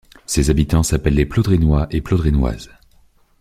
Ses habitants s'appellent les Plaudrinois et Plaudrinoises.